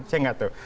saya nggak tahu